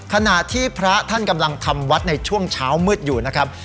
ขณะที่พระท่านกำลังทำวัดในช่วงเช้ามืดอยู่นะครับ